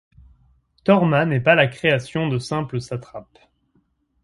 Torma n'est pas la création de simples satrapes.